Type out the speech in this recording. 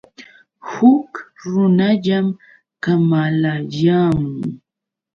Huk runallam kamalayaamun.